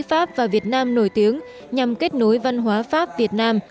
pháp và việt nam nổi tiếng nhằm kết nối văn hóa pháp việt nam